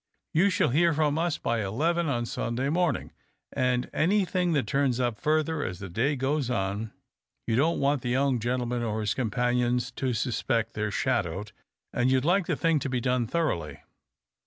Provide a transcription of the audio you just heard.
You shall hear from us by eleven on Sunday morniug, and anything tliat turns up further as the day goes on. You don't want the young gentleman or his com panions to suspect that they're shadowed, and you'd like the thing to be done thoroughly